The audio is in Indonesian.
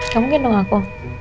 kamu gendong aku